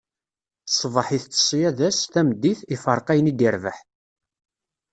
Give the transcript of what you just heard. Ṣṣbeḥ, itett ṣṣyada-s, tameddit, iferreq ayen i d-irbeḥ.